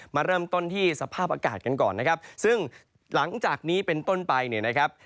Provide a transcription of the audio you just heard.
มาเริ่มต้นที่สภาพอากาศกันก่อนนะครับซึ่งหลังจากนี้เป็นต้นไปเนี่ยนะครับ